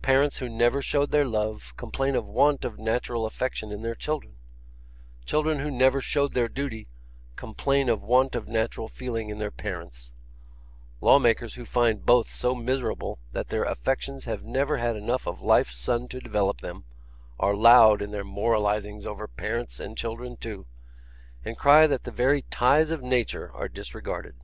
'Parents who never showed their love, complain of want of natural affection in their children; children who never showed their duty, complain of want of natural feeling in their parents; law makers who find both so miserable that their affections have never had enough of life's sun to develop them, are loud in their moralisings over parents and children too, and cry that the very ties of nature are disregarded.